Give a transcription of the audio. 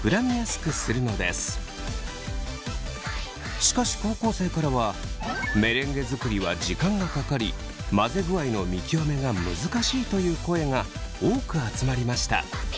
しかし高校生からはメレンゲ作りは時間がかかり混ぜ具合の見極めが難しいという声が多く集まりました。